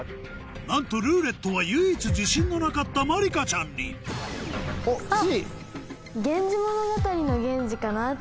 なんと「ルーレット」は唯一自信のなかったまりかちゃんにおっＣ。